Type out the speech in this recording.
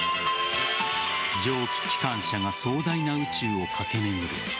蒸気機関車が壮大な宇宙を駆け巡る。